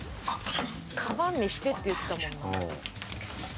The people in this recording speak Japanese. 「カバン見して」って言ってたもんな。